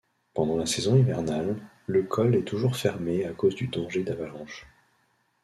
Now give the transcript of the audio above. Pendant la saison hivernale, le col est toujours fermé à cause du danger d'avalanches.